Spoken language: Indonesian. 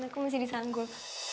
aku masih disanggul